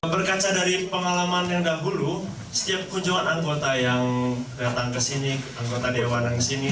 berkaca dari pengalaman yang dahulu setiap kunjungan anggota yang datang ke sini anggota dewan yang kesini